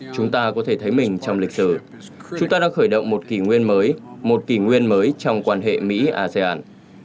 chúng ta có thể thấy mình trong lịch sử chúng ta đang khởi động một kỷ nguyên mới một kỷ nguyên mới trong quan hệ mỹ asean